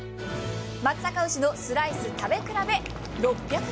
松阪牛のスライス食べ比べ６００ｇ。